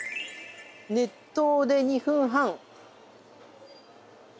「熱湯で２分半」。